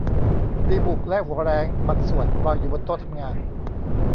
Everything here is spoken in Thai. ดีบุกและหัวแร้งบางส่วนวางอยู่บนโต๊ะทำงาน